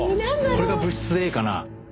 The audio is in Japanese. これが物質Ａかな？